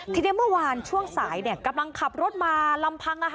ทีนี้เมื่อวานช่วงสายกำลังขับรถมาลำพัง